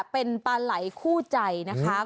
เป็นปลาไหล่คู่ใจนะคะ